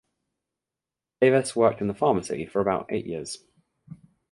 Davis worked in the pharmacy for about eight years.